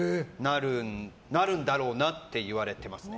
なるんだろうなって言われてます。